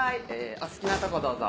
お好きなとこどうぞ。